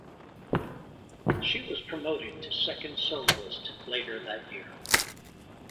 She was promoted to second soloist later that year.